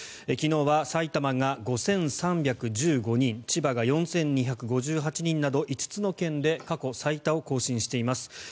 昨日は埼玉が５３１５人千葉が４２５８人など５つの県で過去最多を更新しています。